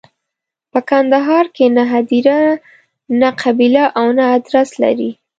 په کندهار کې نه هدیره، نه قبیله او نه ادرس لري.